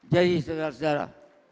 jadi saudara saudara